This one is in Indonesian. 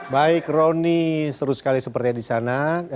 baik roni seru sekali seperti di sana